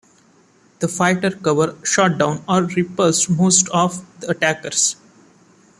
The fighter cover shot down or repulsed most of the attackers.